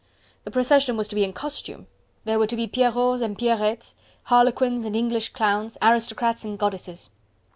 The procession was to be in costume! There were to be Pierrots and Pierettes, Harlequins and English clowns, aristocrats and goddesses!